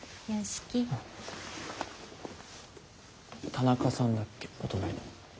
田中さんだっけお隣の。